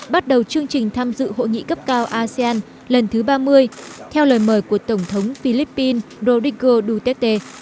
bắt đầu chương trình tham dự hội nghị cấp cao asean lần thứ ba mươi theo lời mời của tổng thống philippines rodrigo duterte